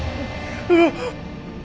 あっ。